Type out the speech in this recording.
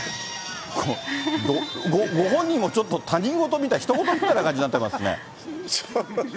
ご本人もちょっと、他人事みたい、ひと事みたいな感じになってますね。